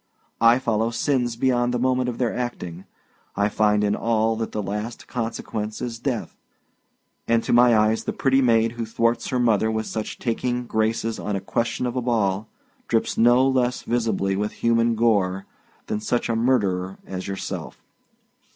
I follow sins beyond the moment of their acting; I find in all that the last consequence is death, and to my eyes, the pretty maid who thwarts her mother with such taking graces on a question of a ball, drips no less visibly with human gore than such a murderer as yourself.